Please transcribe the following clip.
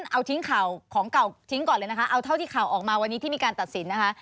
เอาทิ้งข่าวของเก่าทิ้งก่อนเลยนะคะเอาเท่าที่ข่าวออกมาวันนี้ที่มีการตัดสินนะคะ